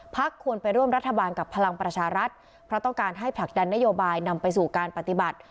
ควรไปร่วมรัฐบาลกับพลังประชารัฐเพราะต้องการให้ผลักดันนโยบายนำไปสู่การปฏิบัติ